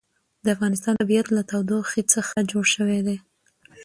د افغانستان طبیعت له تودوخه څخه جوړ شوی دی.